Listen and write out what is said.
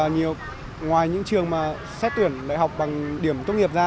ngoài những trường mà xét tuyển đại học bằng điểm tốt nghiệp ra